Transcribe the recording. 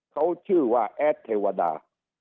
เขาชื่อว่าแอดเทวดา